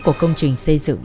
của công trình xây dựng